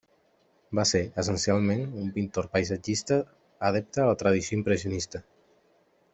Va ser, essencialment, un pintor paisatgista adepte a la tradició impressionista.